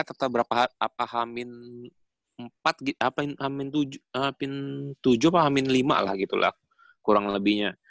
aku ternyata berapa hamin empat gitu hamin tujuh apa hamin lima lah gitu lah kurang lebihnya